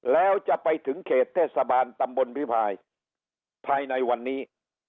แล้วจะไปถึงเขตเทศบาลตำบลพิพายภายในวันนี้